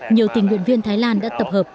nhiều tình nguyện viên thái lan đã tập hợp